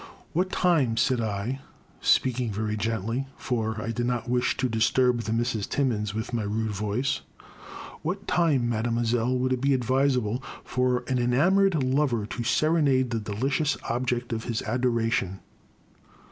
" What time," said I, speaking very gently, for I did not wish to disturb the Misses Timmins with my rude voice, — *'what time. Mademoiselle, would it be advisable for an enamoured lover to serenade the delicious object of his adoration